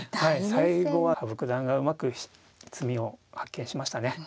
最後は羽生九段がうまく詰みを発見しましたね。